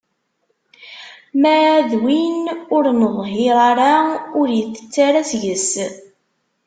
Ma d win ur neḍhir ara, ur itett ara seg-s.